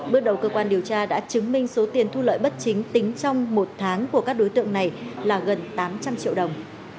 bước đầu cơ quan điều tra đã chứng minh số tiền thu lợi bất chính tính trong một tháng của các đối tượng này là gần tám trăm linh triệu đồng